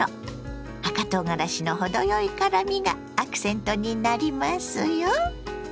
赤とうがらしの程よい辛みがアクセントになりますよ。